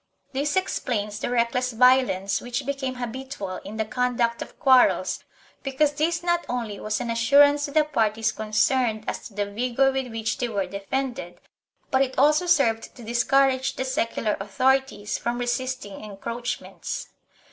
This explains the reckless violence which became habitual in the conduct of quarrels, because this not only was an assurance to the parties concerned as to the vigor with which they were defended, but it also served to discourage the secular authorities from resisting encroachments.